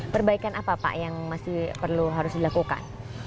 perbaikan apa pak yang masih perlu harus dilakukan